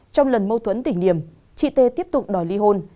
trong lần mâu thuẫn tỉnh niềm chị tê tiếp tục đòi ly hôn